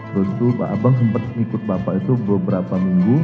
terus itu pak abang sempat ikut bapak itu beberapa minggu